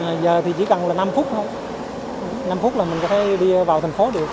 giờ thì chỉ cần là năm phút thôi năm phút là mình có thể đi vào thành phố được